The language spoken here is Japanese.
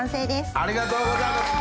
ありがとうございます。